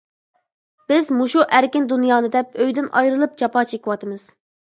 بىز مۇشۇ ئەركىن دۇنيانى دەپ ئۆيدىن ئايرىلىپ جاپا چېكىۋاتىمىز.